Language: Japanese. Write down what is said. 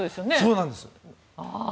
そうなんです。